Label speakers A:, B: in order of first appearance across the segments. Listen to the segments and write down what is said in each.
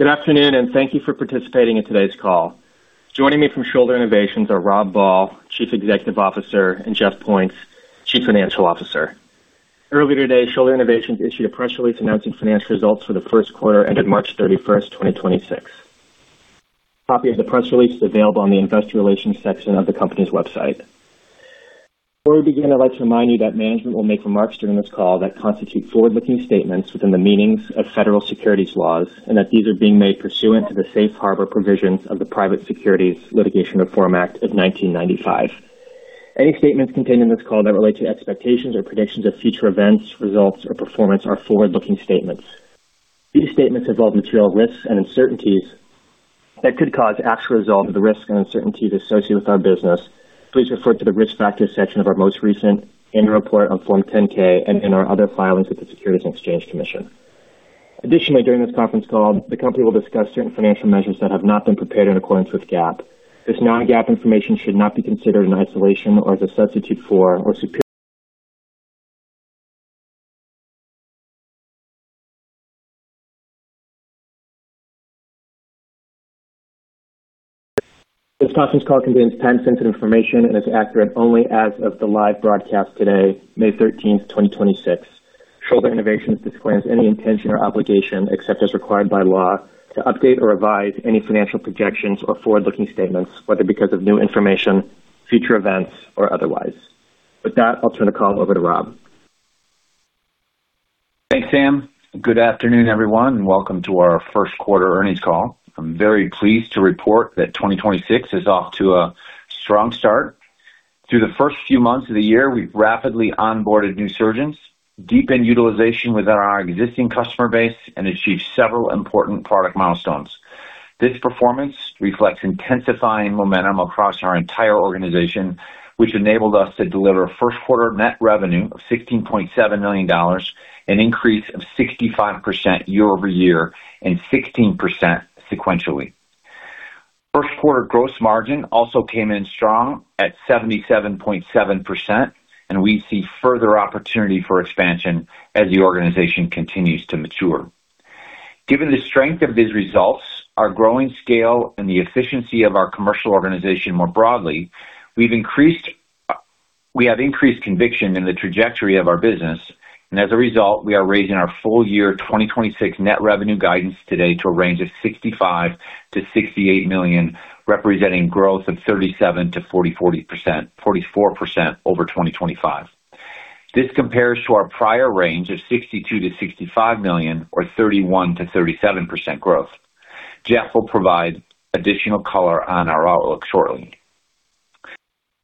A: Good afternoon, thank you for participating in today's call. Joining me from Shoulder Innovations are Rob Ball, Chief Executive Officer, and Jeff Points, Chief Financial Officer. Earlier today, Shoulder Innovations issued a press release announcing financial results for the first quarter ended March 31st, 2026. A copy of the press release is available on the investor relations section of the company's website. Before we begin, I'd like to remind you that management will make remarks during this call that constitute forward-looking statements within the meanings of federal securities laws and that these are being made pursuant to the safe harbor provisions of the Private Securities Litigation Reform Act of 1995. Any statements contained in this call that relate to expectations or predictions of future events, results, or performance are forward-looking statements. These statements involve material risks and uncertainties that could cause actual results of the risks and uncertainties associated with our business. Please refer to the Risk Factors section of our most recent annual report on Form 10-K and in our other filings with the Securities and Exchange Commission. Additionally, during this conference call, the company will discuss certain financial measures that have not been prepared in accordance with GAAP. This non-GAAP information should not be considered in isolation or as a substitute for or superior. This conference call contains time-sensitive information and is accurate only as of the live broadcast today, May 13th, 2026. Shoulder Innovations disclaims any intention or obligation, except as required by law, to update or revise any financial projections or forward-looking statements, whether because of new information, future events, or otherwise. With that, I'll turn the call over to Rob.
B: Thanks, Sam. Good afternoon, everyone, and welcome to our first quarter earnings call. I'm very pleased to report that 2026 is off to a strong start. Through the first few months of the year, we've rapidly onboarded new surgeons, deepened utilization within our existing customer base, and achieved several important product milestones. This performance reflects intensifying momentum across our entire organization, which enabled us to deliver first quarter net revenue of $16.7 million, an increase of 65% year-over-year and 16% sequentially. First quarter gross margin also came in strong at 77.7%. We see further opportunity for expansion as the organization continues to mature. Given the strength of these results, our growing scale, and the efficiency of our commercial organization more broadly, we have increased conviction in the trajectory of our business, and as a result, we are raising our full year 2026 net revenue guidance today to a range of $65 million-$68 million, representing growth of 37%-44% over 2025. This compares to our prior range of $62 million-$65 million or 31%-37% growth. Jeff will provide additional color on our outlook shortly.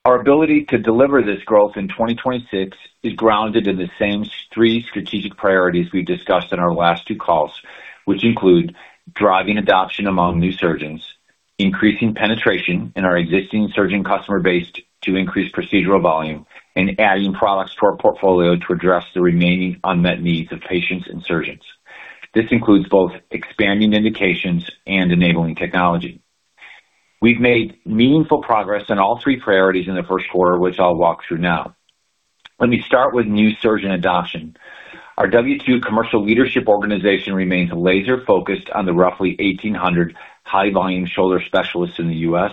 B: Our ability to deliver this growth in 2026 is grounded in the same three strategic priorities we discussed in our last two calls, which include driving adoption among new surgeons, increasing penetration in our existing surgeon customer base to increase procedural volume, and adding products to our portfolio to address the remaining unmet needs of patients and surgeons. This includes both expanding indications and enabling technology. We've made meaningful progress on all three priorities in the first quarter, which I'll walk through now. Let me start with new surgeon adoption. Our W-2 commercial leadership organization remains laser-focused on the roughly 1,800 high-volume shoulder specialists in the U.S.,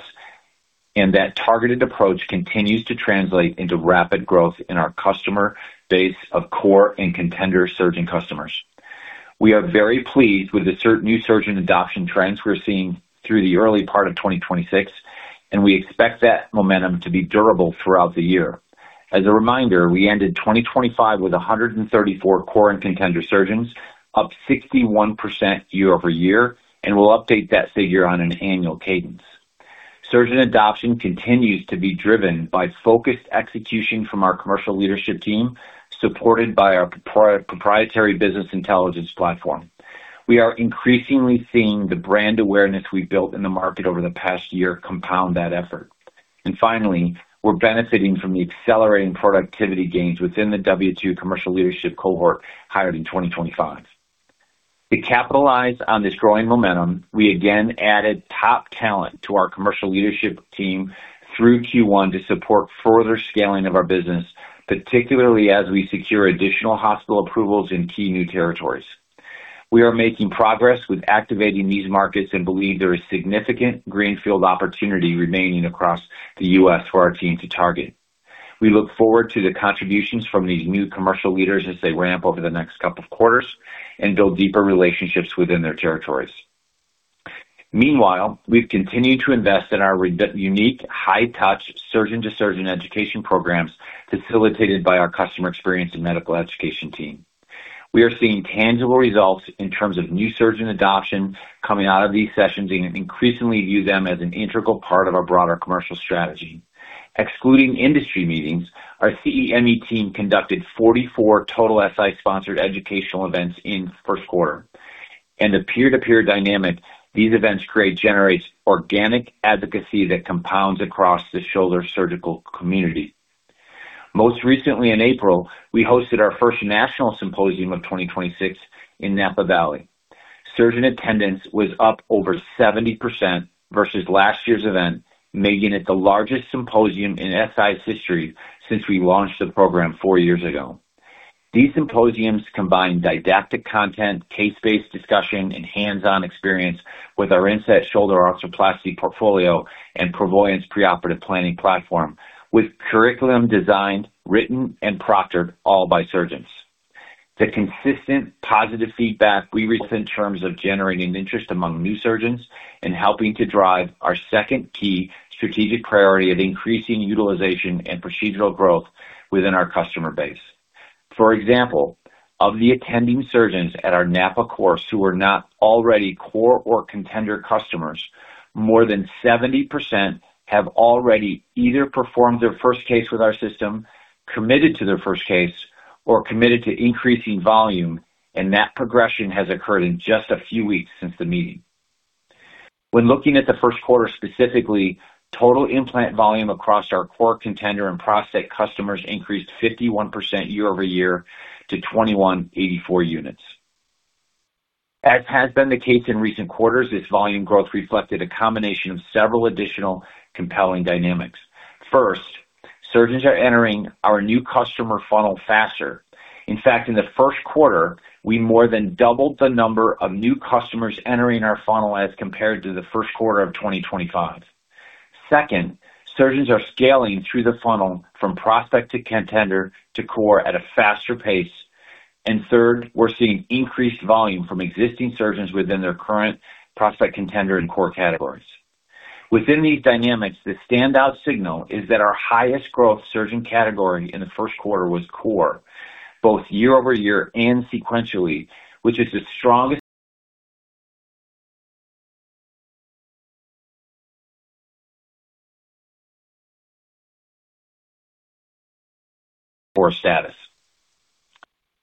B: and that targeted approach continues to translate into rapid growth in our customer base of core and contender surgeon customers. We are very pleased with the new surgeon adoption trends we're seeing through the early part of 2026, and we expect that momentum to be durable throughout the year. As a reminder, we ended 2025 with 134 core and contender surgeons, up 61% year-over-year, and we'll update that figure on an annual cadence. Surgeon adoption continues to be driven by focused execution from our commercial leadership team, supported by our proprietary business intelligence platform. We are increasingly seeing the brand awareness we've built in the market over the past year compound that effort. Finally, we're benefiting from the accelerating productivity gains within the W-2 commercial leadership cohort hired in 2025. To capitalize on this growing momentum, we again added top talent to our commercial leadership team through Q1 to support further scaling of our business, particularly as we secure additional hospital approvals in key new territories. We are making progress with activating these markets and believe there is significant greenfield opportunity remaining across the U.S. for our team to target. We look forward to the contributions from these new commercial leaders as they ramp over the next couple of quarters and build deeper relationships within their territories. Meanwhile, we've continued to invest in our unique high touch surgeon-to-surgeon education programs facilitated by our Customer Experience and Medical Education team. We are seeing tangible results in terms of new surgeon adoption coming out of these sessions and increasingly view them as an integral part of our broader commercial strategy. Excluding industry meetings, our CEME team conducted 44 total SI-sponsored educational events in first quarter. In the peer-to-peer dynamic, these events generates organic advocacy that compounds across the shoulder surgical community. Most recently in April, we hosted our first national symposium of 2026 in Napa Valley. Surgeon attendance was up over 70% versus last year's event, making it the largest symposium in SI's history since we launched the program four years ago. These symposiums combine didactic content, case-based discussion, and hands-on experience with our InSet shoulder arthroplasty portfolio and ProVoyance preoperative planning platform, with curriculum designed, written, and proctored all by surgeons. The consistent positive feedback we received in terms of generating interest among new surgeons and helping to drive our second key strategic priority of increasing utilization and procedural growth within our customer base. For example, of the attending surgeons at our Napa course who are not already core or contender customers, more than 70% have already either performed their first case with our system, committed to their first case, or committed to increasing volume, and that progression has occurred in just a few weeks since the meeting. Looking at the first quarter specifically, total implant volume across our core contender and prospect customers increased 51% year-over-year to 2,184 units. Has been the case in recent quarters, this volume growth reflected a combination of several additional compelling dynamics. First, surgeons are entering our new customer funnel faster. In fact, in the first quarter, we more than doubled the number of new customers entering our funnel as compared to the first quarter of 2025. Surgeons are scaling through the funnel from prospect to contender to core at a faster pace. Third, we're seeing increased volume from existing surgeons within their current prospect, contender, and core categories. Within these dynamics, the standout signal is that our highest growth surgeon category in first quarter was core, both year-over-year and sequentially, which is the strongest core status.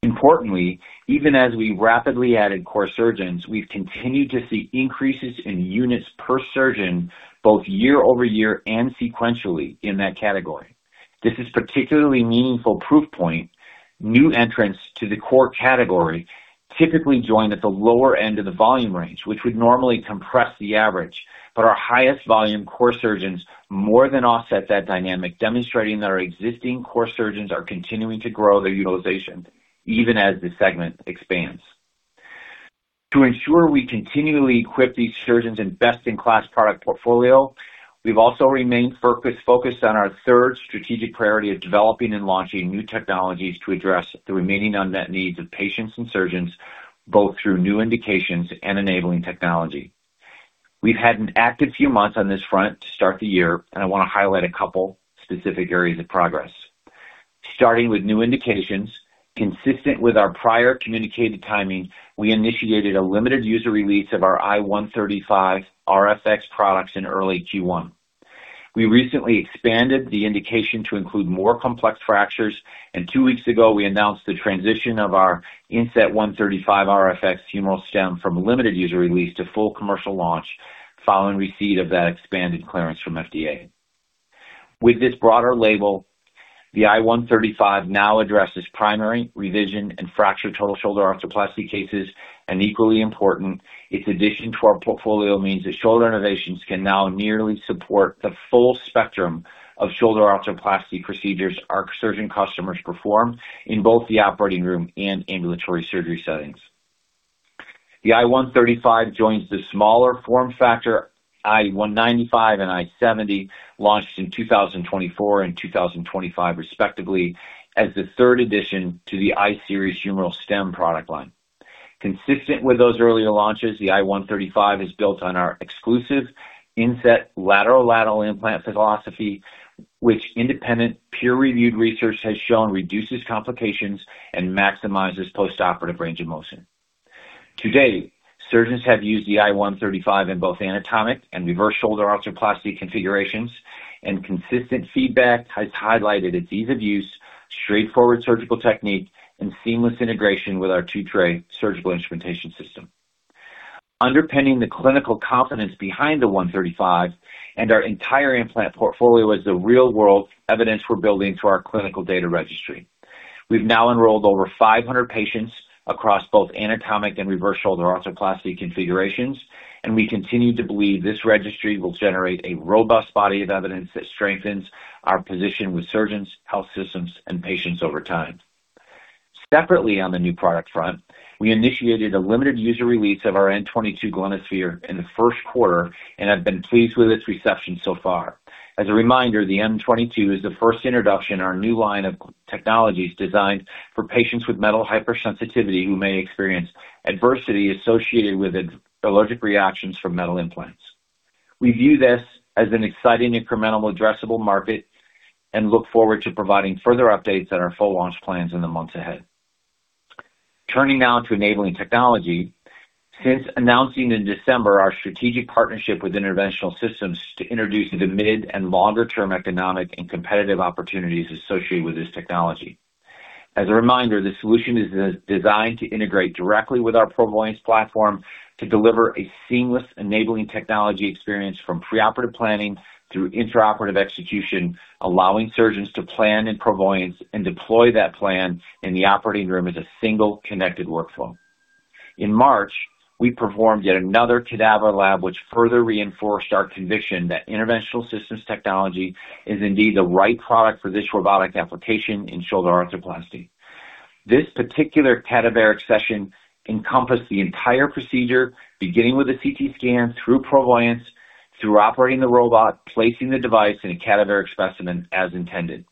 B: Importantly, even as we rapidly added core surgeons, we've continued to see increases in units per surgeon both year-over-year and sequentially in that category. This is particularly meaningful proof point. New entrants to the core category typically join at the lower end of the volume range, which would normally compress the average. Our highest volume core surgeons more than offset that dynamic, demonstrating that our existing core surgeons are continuing to grow their utilization even as the segment expands. To ensure we continually equip these surgeons in best-in-class product portfolio, we've also remained focused on our third strategic priority of developing and launching new technologies to address the remaining unmet needs of patients and surgeons, both through new indications and enabling technology. We've had an active few months on this front to start the year, and I want to highlight a couple specific areas of progress. Starting with new indications, consistent with our prior communicated timing, we initiated a limited user release of our i135RFX products in early Q1. We recently expanded the indication to include more complex fractures, and two weeks ago, we announced the transition of our InSet 135 RFX humeral stem from limited user release to full commercial launch following receipt of that expanded clearance from FDA. With this broader label, the i135 now addresses primary revision and fracture total shoulder arthroplasty cases, and equally important, its addition to our portfolio means that Shoulder Innovations can now nearly support the full spectrum of shoulder arthroplasty procedures our surgeon customers perform in both the operating room and ambulatory surgery settings. The i135 joins the smaller form factor i195 and i70, launched in 2024 and 2025 respectively, as the third addition to the I-Series humeral stem product line. Consistent with those earlier launches, the i135 is built on our exclusive InSet lateral-lateral implant philosophy, which independent peer-reviewed research has shown reduces complications and maximizes postoperative range of motion. To date, surgeons have used the i135 in both anatomic and reverse shoulder arthroplasty configurations, and consistent feedback has highlighted its ease of use, straightforward surgical technique, and seamless integration with our two-tray surgical instrumentation system. Underpinning the clinical confidence behind the 135 and our entire implant portfolio is the real-world evidence we're building through our clinical data registry. We've now enrolled over 500 patients across both anatomic and reverse shoulder arthroplasty configurations. We continue to believe this registry will generate a robust body of evidence that strengthens our position with surgeons, health systems, and patients over time. Separately, on the new product front, we initiated a limited user release of our N22 Glenosphere in first quarter and have been pleased with its reception so far. As a reminder, the N22 is the first introduction in our new line of technologies designed for patients with metal hypersensitivity who may experience adversity associated with allergic reactions from metal implants. We view this as an exciting incremental addressable market and look forward to providing further updates on our full launch plans in the months ahead. Turning now to enabling technology. Since announcing in December our strategic partnership with Interventional Systems to introduce the mid- and longer-term economic and competitive opportunities associated with this technology. As a reminder, the solution is designed to integrate directly with our ProVoyance platform to deliver a seamless enabling technology experience from preoperative planning through intraoperative execution, allowing surgeons to plan in ProVoyance and deploy that plan in the operating room as a single connected workflow. In March, we performed yet another cadaver lab which further reinforced our conviction that Interventional Systems technology is indeed the right product for this robotic application in shoulder arthroplasty. This particular cadaveric session encompassed the entire procedure, beginning with a CT scan through ProVoyance, through operating the robot, placing the device in a cadaveric specimen as intended.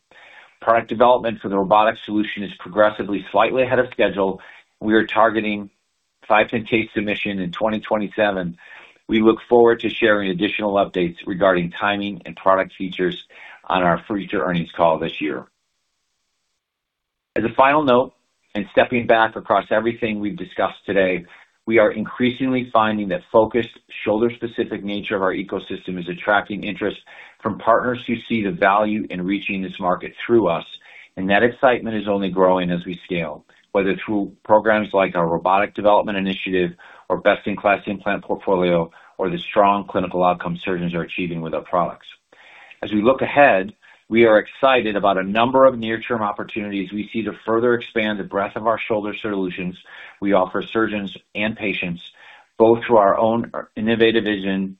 B: Product development for the robotic solution is progressively slightly ahead of schedule. We are targeting 510(k) submission in 2027. We look forward to sharing additional updates regarding timing and product features on our future earnings call this year. As a final note, and stepping back across everything we've discussed today, we are increasingly finding that focused shoulder-specific nature of our ecosystem is attracting interest from partners who see the value in reaching this market through us, and that excitement is only growing as we scale, whether through programs like our robotic development initiative or best-in-class implant portfolio or the strong clinical outcome surgeons are achieving with our products. As we look ahead, we are excited about a number of near-term opportunities we see to further expand the breadth of our shoulder solutions we offer surgeons and patients, both through our own innovative vision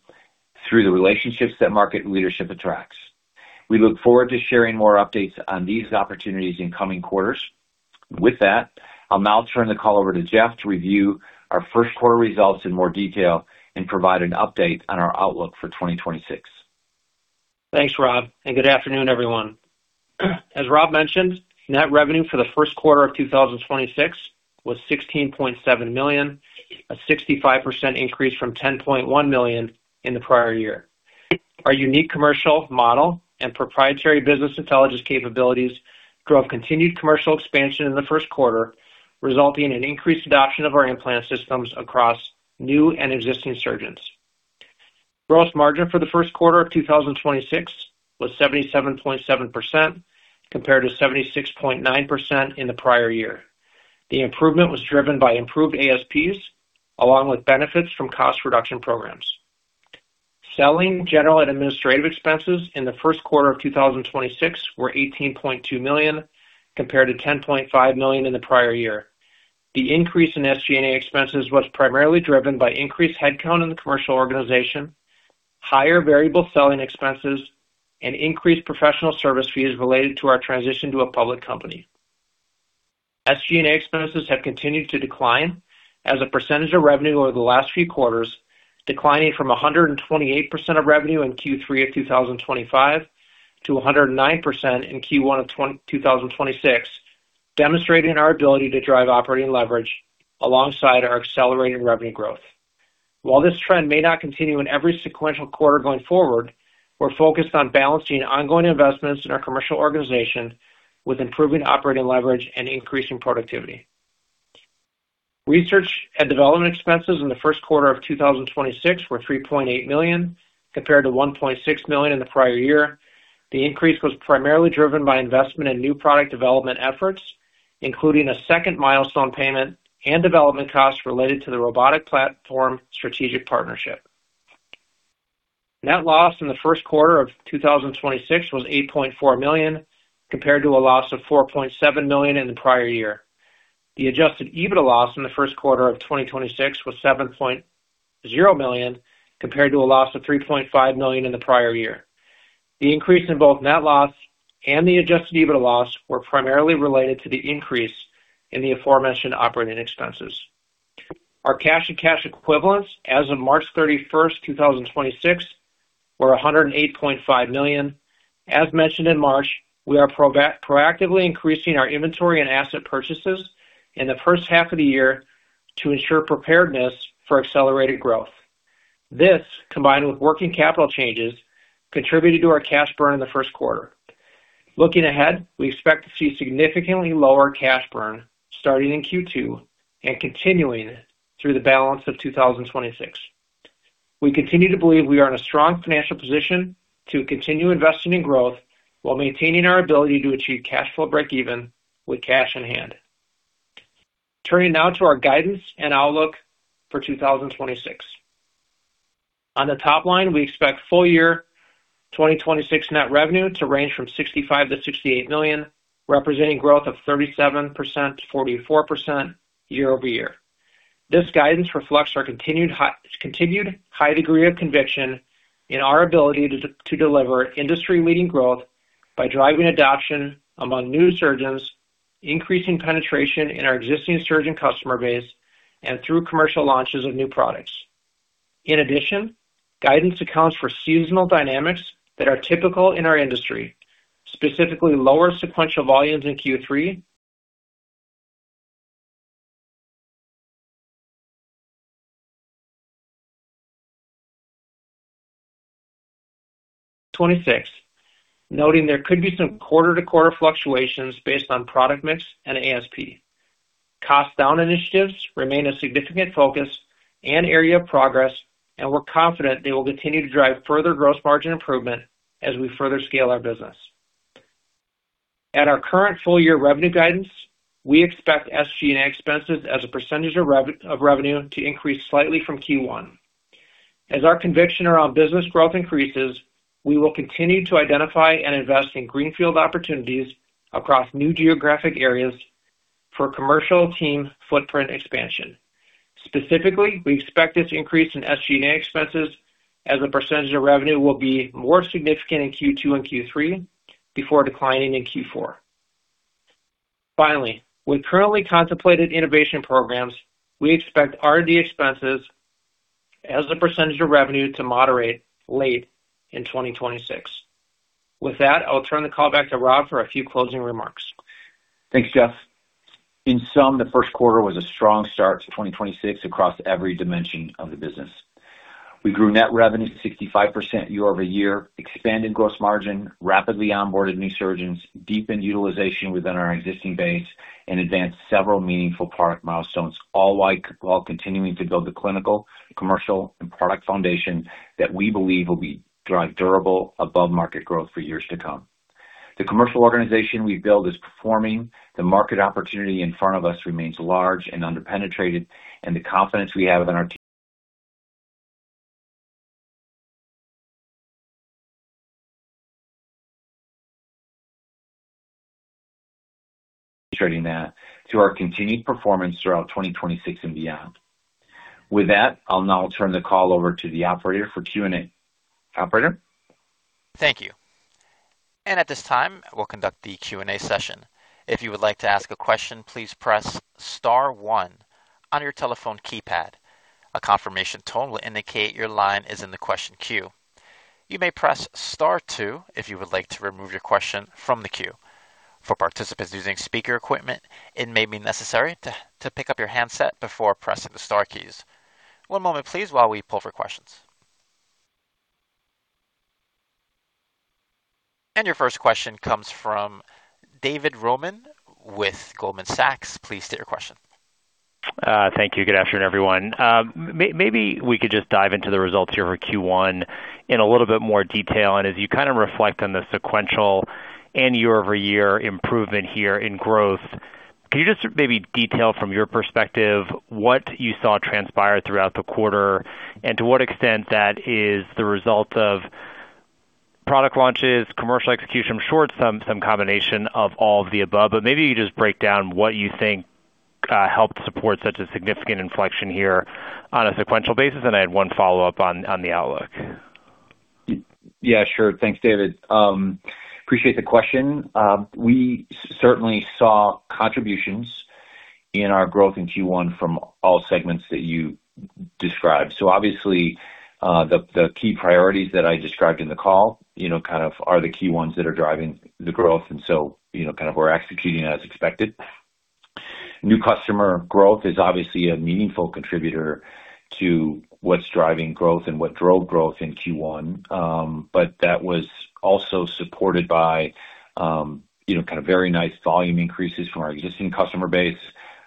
B: through the relationships that market leadership attracts. We look forward to sharing more updates on these opportunities in coming quarters. With that, I'll now turn the call over to Jeff to review our first quarter results in more detail and provide an update on our outlook for 2026.
C: Thanks, Rob. Good afternoon, everyone. As Rob mentioned, net revenue for the first quarter of 2026 was $16.7 million, a 65% increase from $10.1 million in the prior year. Our unique commercial model and proprietary business intelligence capabilities drove continued commercial expansion in the first quarter, resulting in increased adoption of our implant systems across new and existing surgeons. Gross margin for the first quarter of 2026 was 77.7% compared to 76.9% in the prior year. The improvement was driven by improved ASPs along with benefits from cost reduction programs. Selling general and administrative expenses in the first quarter of 2026 were $18.2 million, compared to $10.5 million in the prior year. The increase in SG&A expenses was primarily driven by increased headcount in the commercial organization, higher variable selling expenses, and increased professional service fees related to our transition to a public company. SG&A expenses have continued to decline as a percentage of revenue over the last few quarters, declining from 128% of revenue in Q3 of 2025 to 109% in Q1 of 2026, demonstrating our ability to drive operating leverage alongside our accelerated revenue growth. While this trend may not continue in every sequential quarter going forward, we're focused on balancing ongoing investments in our commercial organization with improving operating leverage and increasing productivity. Research and development expenses in the first quarter of 2026 were $3.8 million, compared to $1.6 million in the prior year. The increase was primarily driven by investment in new product development efforts, including a second milestone payment and development costs related to the robotic platform strategic partnership. Net loss in the first quarter of 2026 was $8.4 million, compared to a loss of $4.7 million in the prior year. The adjusted EBITDA loss in the first quarter of 2026 was $7.0 million, compared to a loss of $3.5 million in the prior year. The increase in both net loss and the adjusted EBITDA loss were primarily related to the increase in the aforementioned operating expenses. Our cash and cash equivalents as of March 31st, 2026, were $108.5 million. As mentioned in March, we are proactively increasing our inventory and asset purchases in the first half of the year to ensure preparedness for accelerated growth. This, combined with working capital changes, contributed to our cash burn in the first quarter. Looking ahead, we expect to see significantly lower cash burn starting in Q2 and continuing through the balance of 2026. We continue to believe we are in a strong financial position to continue investing in growth while maintaining our ability to achieve cash flow breakeven with cash in hand. Turning now to our guidance and outlook for 2026. On the top line, we expect full year 2026 net revenue to range from $65 million-$68 million, representing growth of 37%-44% year-over-year. This guidance reflects our continued high degree of conviction in our ability to deliver industry-leading growth by driving adoption among new surgeons, increasing penetration in our existing surgeon customer base, and through commercial launches of new products. In addition, guidance accounts for seasonal dynamics that are typical in our industry, specifically lower sequential volumes in Q3 2026, noting there could be some quarter-to-quarter fluctuations based on product mix and ASP. Cost down initiatives remain a significant focus and area of progress, and we're confident they will continue to drive further gross margin improvement as we further scale our business. At our current full-year revenue guidance, we expect SG&A expenses as a percentage of revenue to increase slightly from Q1. As our conviction around business growth increases, we will continue to identify and invest in greenfield opportunities across new geographic areas for commercial team footprint expansion. Specifically, we expect this increase in SG&A expenses as a percentage of revenue will be more significant in Q2 and Q3 before declining in Q4. Finally, with currently contemplated innovation programs, we expect R&D expenses as a percentage of revenue to moderate late in 2026. With that, I'll turn the call back to Rob for a few closing remarks.
B: Thanks, Jeff. In sum, the first quarter was a strong start to 2026 across every dimension of the business. We grew net revenue 65% year-over-year, expanded gross margin, rapidly onboarded new surgeons, deepened utilization within our existing base, and advanced several meaningful product milestones, all while continuing to build the clinical, commercial, and product foundation that we believe will be drive durable above market growth for years to come. The commercial organization we build is performing. The market opportunity in front of us remains large and under-penetrated. The confidence we have in our team that through our continued performance throughout 2026 and beyond. With that, I'll now turn the call over to the operator for Q&A. Operator?
D: Thank you. At this time, we'll conduct the Q&A session. If you would like to ask a question, please press star one on your telephone keypad. A confirmation tone will indicate your line is in the question queue. You may press star two if you would like to remove your question from the queue. For participants using speaker equipment, it may be necessary to pick up your handset before pressing the star keys. One moment please while we pull for questions. Your first question comes from David Roman with Goldman Sachs. Please state your question.
E: Thank you. Good afternoon, everyone. Maybe we could just dive into the results here for Q1 in a little bit more detail. As you kind of reflect on the sequential and year-over-year improvement here in growth, can you just maybe detail from your perspective what you saw transpire throughout the quarter and to what extent that is the result of product launches, commercial execution? I'm sure it's some combination of all of the above, but maybe you just break down what you think helped support such a significant inflection here on a sequential basis. I had one follow-up on the outlook.
B: Sure. Thanks, David. Appreciate the question. We certainly saw contributions in our growth in Q1 from all segments that you described. Obviously, the key priorities that I described in the call, you know, kind of are the key ones that are driving the growth. You know, kind of we're executing as expected. New customer growth is obviously a meaningful contributor to what's driving growth and what drove growth in Q1. That was also supported by, you know, kind of very nice volume increases from our existing customer base,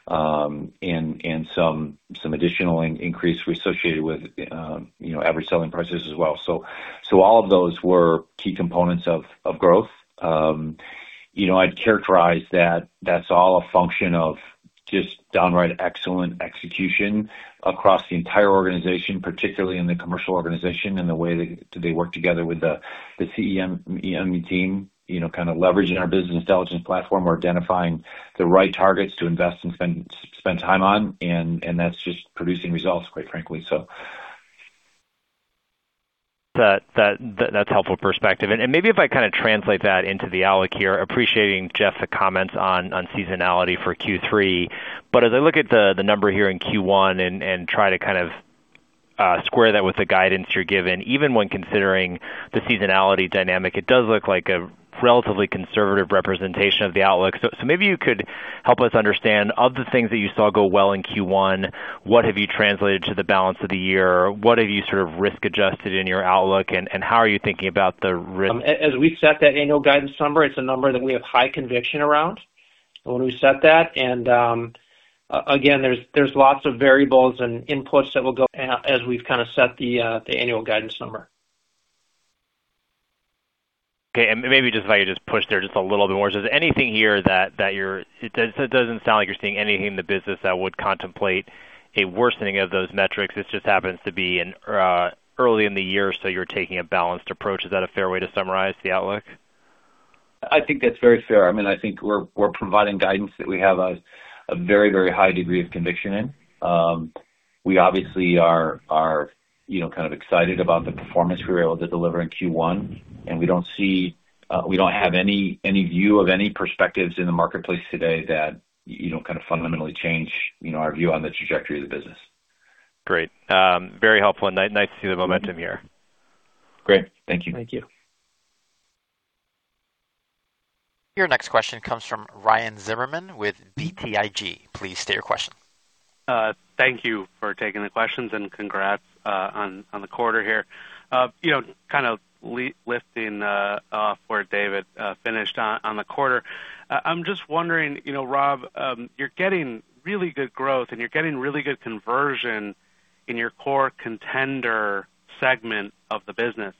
B: and some additional increase we associated with, you know, average selling prices as well. So all of those were key components of growth. You know, I'd characterize that that's all a function of just downright excellent execution across the entire organization, particularly in the commercial organization and the way that they work together with the CEME team, you know, kind of leveraging our business intelligence platform or identifying the right targets to invest and spend time on. That's just producing results, quite frankly.
E: That's helpful perspective. Maybe if I kind of translate that into the outlook here, appreciating Jeff's comments on seasonality for Q3. as I look at the number here in Q1 and try to kind of square that with the guidance you're given, even when considering the seasonality dynamic, it does look like a relatively conservative representation of the outlook. maybe you could help us understand, of the things that you saw go well in Q1, what have you translated to the balance of the year? What have you sort of risk-adjusted in your outlook, and how are you thinking about them?
C: As we set that annual guidance number, it's a number that we have high conviction around when we set that. Again, there's lots of variables and inputs that will go as we've kind of set the annual guidance number.
E: Okay. Maybe just if I could just push there just a little bit more. Is there anything here that you're It doesn't sound like you're seeing anything in the business that would contemplate a worsening of those metrics. This just happens to be in early in the year, so you're taking a balanced approach. Is that a fair way to summarize the outlook?
B: I think that's very fair. I mean, I think we're providing guidance that we have a very, very high degree of conviction in. We obviously are, you know, kind of excited about the performance we were able to deliver in Q1, and we don't see, we don't have any view of any perspectives in the marketplace today that, you know, kind of fundamentally change, you know, our view on the trajectory of the business.
E: Great. Very helpful. Nice to see the momentum here.
B: Great. Thank you.
C: Thank you.
D: Your next question comes from Ryan Zimmerman with BTIG. Please state your question.
F: Thank you for taking the questions, and congrats on the quarter here. You know, kind of lifting off where David finished on the quarter. I'm just wondering, you know, Rob, you're getting really good growth, and you're getting really good conversion in your core contender segment of the business.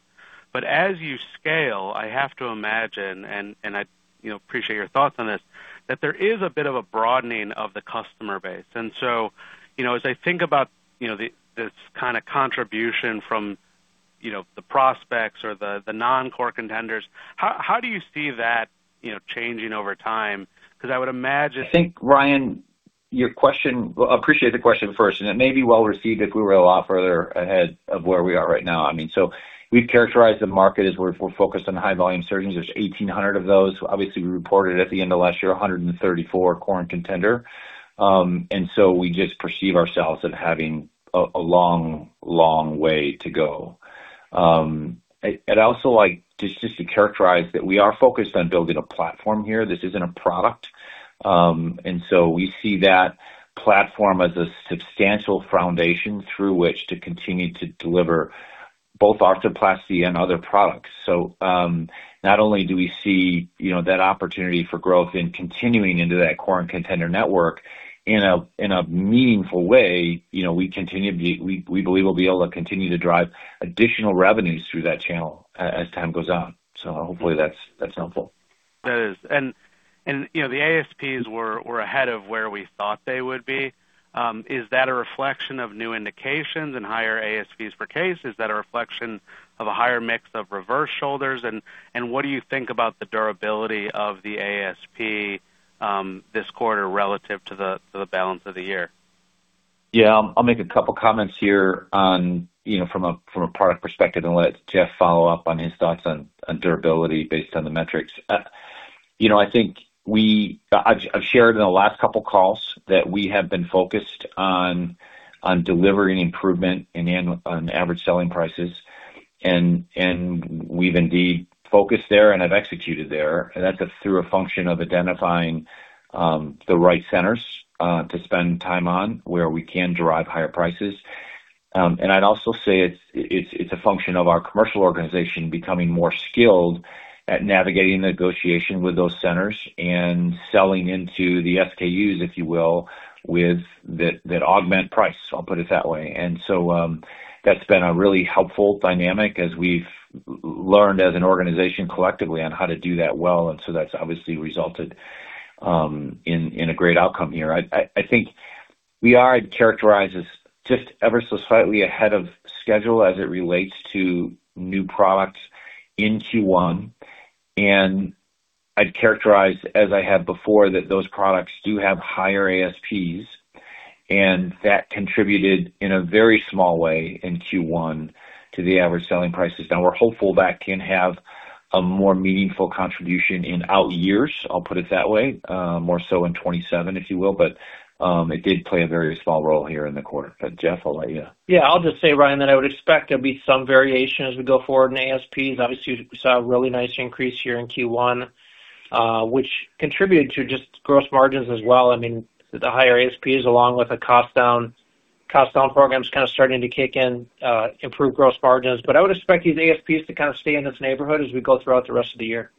F: As you scale, I have to imagine, and I, you know, appreciate your thoughts on this, that there is a bit of a broadening of the customer base. You know, as I think about, you know, this kind of contribution from, you know, the prospects or the non-core contenders, how do you see that, you know, changing over time?
B: I think, Ryan, appreciate the question first. It may be well-received if we were a lot further ahead of where we are right now. I mean, we've characterized the market as we're focused on high-volume surgeons. There's 1,800 of those. Obviously, we reported at the end of last year 134 core and contender. We just perceive ourselves as having a long, long way to go. I'd also like just to characterize that we are focused on building a platform here. This isn't a product. We see that platform as a substantial foundation through which to continue to deliver both arthroplasty and other products. Not only do we see, you know, that opportunity for growth in continuing into that core and contender network in a, in a meaningful way, you know, we believe we'll be able to continue to drive additional revenues through that channel as time goes on. Hopefully that's helpful.
F: That is. You know, the ASPs were ahead of where we thought they would be. Is that a reflection of new indications and higher ASPs per case? Is that a reflection of a higher mix of reverse shoulders? What do you think about the durability of the ASP this quarter relative to the balance of the year?
B: Yeah. I'll make a couple comments here on, you know, from a, from a product perspective and let Jeff follow up on his thoughts on durability based on the metrics. You know, I've shared in the last couple calls that we have been focused on delivering improvement in the Average Selling Prices. We've indeed focused there and have executed there. That's through a function of identifying the right centers to spend time on where we can derive higher prices. I'd also say it's a function of our commercial organization becoming more skilled at navigating the negotiation with those centers and selling into the SKUs, if you will, that augment price. I'll put it that way. That's been a really helpful dynamic as we've learned as an organization collectively on how to do that well. That's obviously resulted in a great outcome here. I think we are, I'd characterize, as just ever so slightly ahead of schedule as it relates to new products in Q1. I'd characterize, as I have before, that those products do have higher ASPs, and that contributed in a very small way in Q1 to the average selling prices. We're hopeful that can have a more meaningful contribution in outyears. I'll put it that way. More so in 2027, if you will. It did play a very small role here in the quarter. Jeff, I'll let you.
C: Yeah. I'll just say, Ryan, that I would expect there'll be some variation as we go forward in ASPs. Obviously, we saw a really nice increase here in Q1, which contributed to just gross margins as well. I mean, the higher ASPs along with the cost down programs kind of starting to kick in, improved gross margins. I would expect these ASPs to kind of stay in this neighborhood as we go throughout the rest of the year.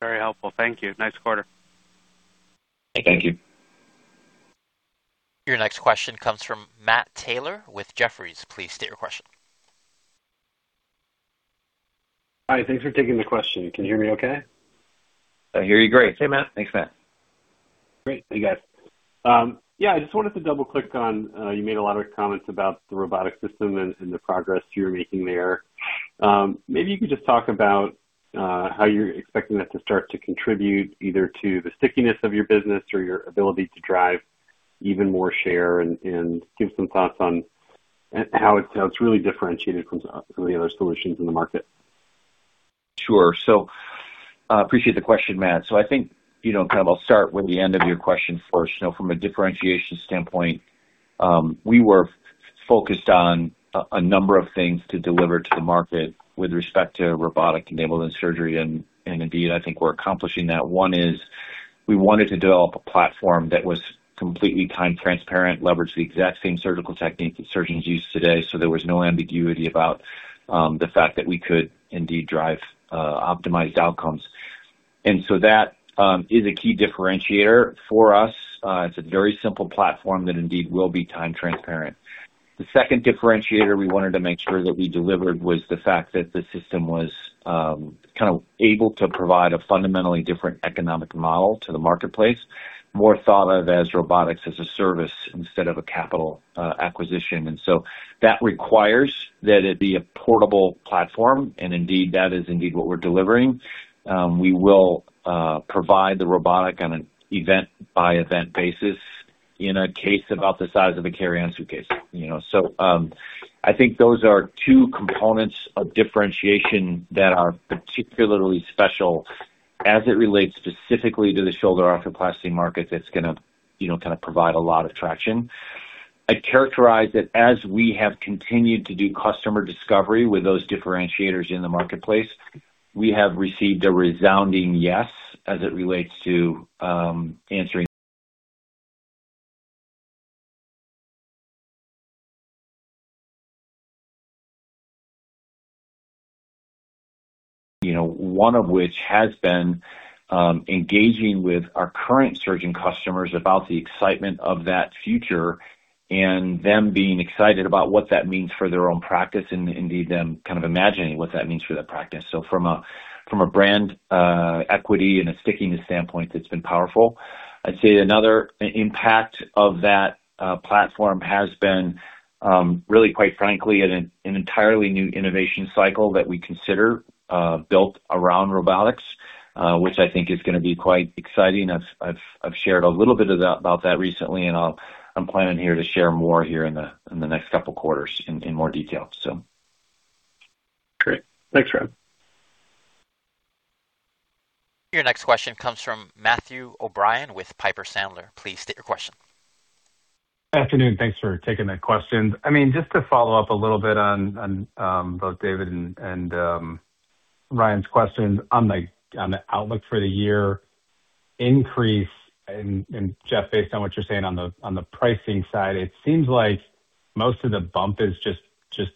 F: Very helpful. Thank you. Nice quarter.
B: Thank you.
C: Thank you.
D: Your next question comes from Matt Taylor with Jefferies. Please state your question.
G: Hi, thanks for taking the question. Can you hear me okay?
B: I hear you great.
C: Hey, Matt.
B: Thanks, Matt.
G: Great. Thank you, guys. Yeah, I just wanted to double-click on, you made a lot of comments about the robotic system and the progress you're making there. Maybe you could just talk about how you're expecting that to start to contribute either to the stickiness of your business or your ability to drive even more share and give some thoughts on how it's really differentiated from some of the other solutions in the market.
B: Sure. Appreciate the question, Matt. I think, you know, kind of I'll start with the end of your question first. You know, from a differentiation standpoint, we were focused on a number of things to deliver to the market with respect to robotic-enabled surgery. Indeed, I think we're accomplishing that. One is we wanted to develop a platform that was completely time-transparent, leveraged the exact same surgical techniques that surgeons use today, so there was no ambiguity about the fact that we could indeed drive optimized outcomes. That is a key differentiator for us. It's a very simple platform that indeed will be time-transparent. The second differentiator we wanted to make sure that we delivered was the fact that the system was kind of able to provide a fundamentally different economic model to the marketplace, more thought of as Robotics as a Service instead of a capital acquisition. That requires that it be a portable platform, and indeed, that is indeed what we're delivering. We will provide the robotic on an event-by-event basis in a case about the size of a carry-on suitcase, you know? I think those are two components of differentiation that are particularly special as it relates specifically to the shoulder arthroplasty market that's gonna, you know, kind of provide a lot of traction. I'd characterize that as we have continued to do customer discovery with those differentiators in the marketplace, we have received a resounding yes as it relates to, You know, one of which has been, engaging with our current surgeon customers about the excitement of that future and them being excited about what that means for their own practice and, indeed, them kind of imagining what that means for their practice. From a, from a brand, equity and a stickiness standpoint, it's been powerful. I'd say another impact of that, platform has been, really, quite frankly, an entirely new innovation cycle that we consider, built around robotics, which I think is gonna be quite exciting. I've shared a little bit about that recently, and I'm planning here to share more in the next couple quarters in more detail.
G: Great. Thanks, Rob.
D: Your next question comes from Matthew O'Brien with Piper Sandler. Please state your question.
H: Good afternoon. Thanks for taking the questions. I mean, just to follow up a little bit on both David and Ryan's questions on the, on the outlook for the year increase and Jeff, based on what you're saying on the, on the pricing side, it seems like most of the bump is just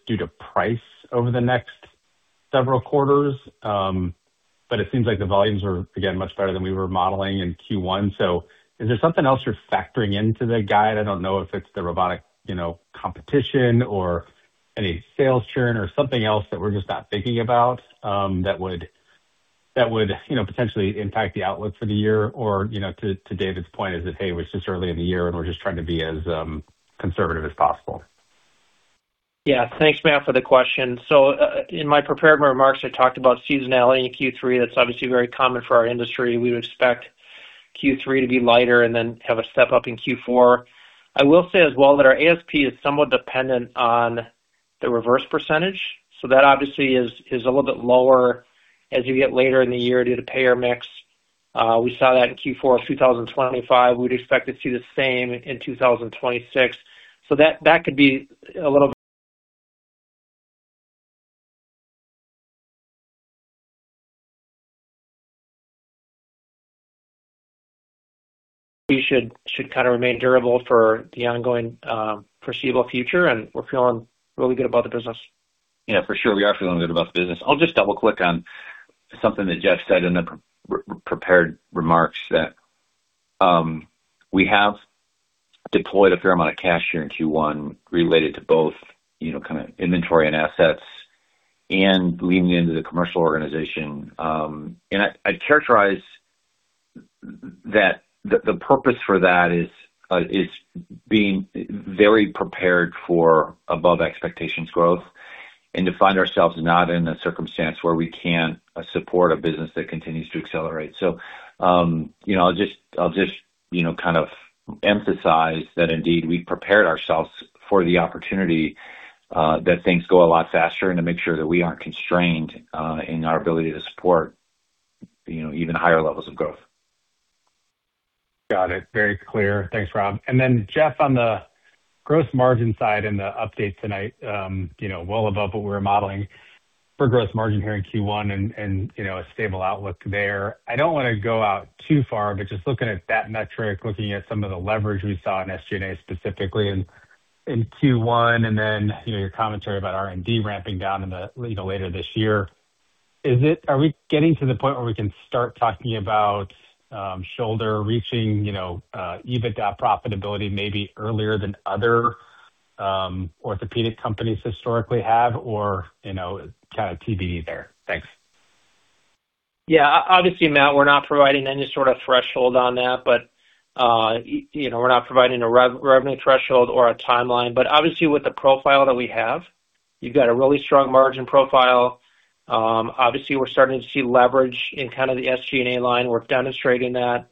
H: due to price over the next several quarters. It seems like the volumes are, again, much better than we were modeling in Q1. Is there something else you're factoring into the guide? I don't know if it's the robotic, you know, competition or any sales churn or something else that we're just not thinking about that would, you know, potentially impact the outlook for the year. You know, to David's point is that, hey, we're still early in the year, and we're just trying to be as conservative as possible.
C: Thanks, Matt, for the question. In my prepared remarks, I talked about seasonality in Q3. That's obviously very common for our industry. We would expect Q3 to be lighter and then have a step up in Q4. I will say as well that our ASP is somewhat dependent on the reverse percentage, so that obviously is a little bit lower as you get later in the year due to payer mix. We saw that in Q4 of 2025. We'd expect to see the same in 2026. We should kind of remain durable for the ongoing foreseeable future, and we're feeling really good about the business.
B: For sure. We are feeling good about the business. I'll just double-click on something that Jeff said in the prepared remarks that we have deployed a fair amount of cash here in Q1 related to both, you know, kind of inventory and assets and leaning into the commercial organization. I'd characterize that the purpose for that is being very prepared for above expectations growth and to find ourselves not in a circumstance where we can't support a business that continues to accelerate. You know, I'll just, you know, kind of emphasize that indeed we prepared ourselves for the opportunity that things go a lot faster and to make sure that we aren't constrained in our ability to support, you know, even higher levels of growth.
H: Got it. Very clear. Thanks, Rob. Then, Jeff, on the gross margin side and the update tonight, you know, well above what we were modeling for gross margin here in Q1 and, you know, a stable outlook there. I don't wanna go out too far, but just looking at that metric, looking at some of the leverage we saw in SG&A specifically in Q1, then, you know, your commentary about R&D ramping down later this year. Are we getting to the point where we can start talking about Shoulder reaching, you know, EBITDA profitability maybe earlier than other orthopedic companies historically have? You know, kind of TBD there? Thanks.
C: Yeah. Obviously, Matt, we're not providing any sort of threshold on that, but you know, we're not providing a revenue threshold or a timeline. Obviously, with the profile that we have, you've got a really strong margin profile. Obviously, we're starting to see leverage in kind of the SG&A line. We're demonstrating that.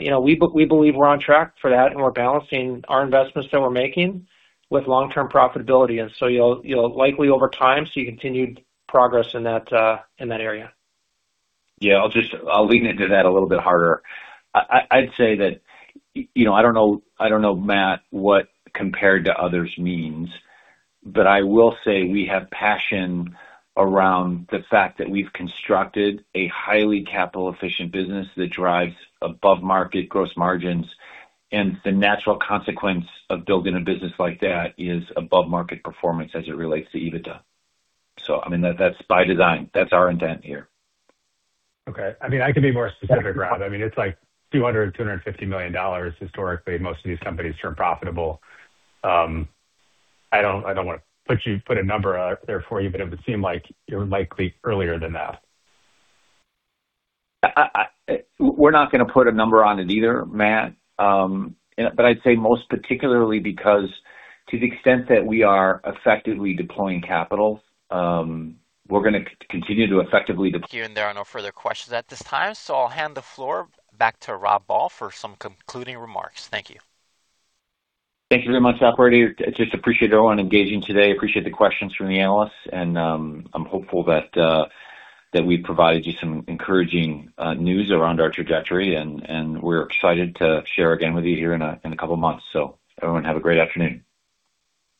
C: You know, we believe we're on track for that, and we're balancing our investments that we're making with long-term profitability. So you'll likely over time see continued progress in that, in that area.
B: Yeah. I'll lean into that a little bit harder. I'd say that, you know, I don't know, Matt, what compared to others means, but I will say we have passion around the fact that we've constructed a highly capital-efficient business that drives above-market gross margins, and the natural consequence of building a business like that is above-market performance as it relates to EBITDA. I mean, that's by design. That's our intent here.
H: Okay. I mean, I can be more specific, Rob. I mean, it's like $200 million-$250 million historically most of these companies turn profitable. I don't wanna put a number out there for you, but it would seem like you're likely earlier than that.
B: I We're not gonna put a number on it either, Matt. I'd say most particularly because to the extent that we are effectively deploying capital, we're gonna continue to effectively deploy.
D: Here and there are no further questions at this time. I'll hand the floor back to Rob Ball for some concluding remarks. Thank you.
B: Thank you very much, operator. Just appreciate everyone engaging today. Appreciate the questions from the analysts. I'm hopeful that we've provided you some encouraging news around our trajectory, and we're excited to share again with you here in a couple months. Everyone have a great afternoon.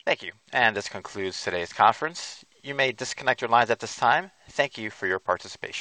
D: Thank you. This concludes today's conference. You may disconnect your lines at this time. Thank you for your participation.